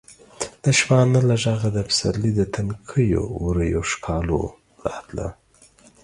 د شپانه له غږه د پسرلي د تنکیو ورویو ښکالو راتله.